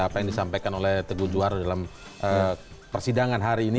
apa yang disampaikan oleh teguh juara dalam persidangan hari ini